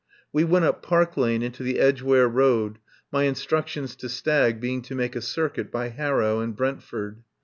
We went up Park Lane into the Edgeware Road, my instructions to Stagg being to make a circuit by Harrow and Brentford.